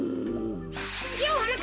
ようはなかっぱ！